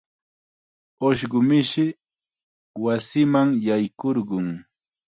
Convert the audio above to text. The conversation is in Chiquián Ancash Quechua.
Ushqu mishi wasima yaykurqun.